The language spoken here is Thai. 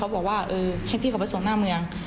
บอกว่าเออให้พี่เขาไปส่งหน้าเมือง